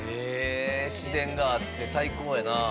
自然があって最高やなぁ。